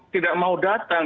tidak mau datang